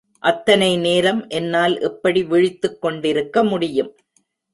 அத்தனைநேரம் என்னால் எப்படி விழித்துக் கொண்டிருக்க முடியும்!